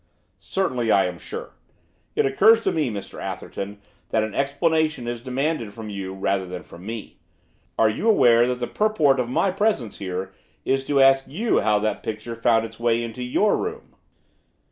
'Certainly I am sure. It occurs to me, Mr Atherton, that an explanation is demanded from you rather than from me. Are you aware that the purport of my presence here is to ask you how that picture found its way into your room?